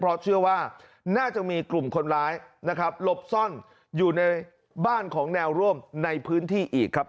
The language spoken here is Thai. เพราะเชื่อว่าน่าจะมีกลุ่มคนร้ายนะครับหลบซ่อนอยู่ในบ้านของแนวร่วมในพื้นที่อีกครับ